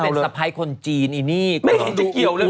อ่าวอู๊ตังไม่เห็นจะเกี่ยวเลย